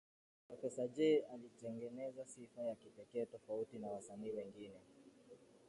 Profesa Jay alijitengezea sifa ya kipekee tofauti na wasanii wengine